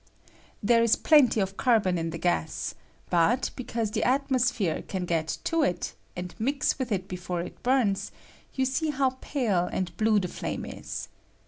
(^'') There is plenty of carbon in the gas ; but, be cause the atmosphere can get to it, and mis with it before it burns, yoa see how pale and blue the flame is.